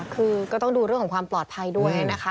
คือก็ต้องดูเรื่องของความปลอดภัยด้วยนะคะ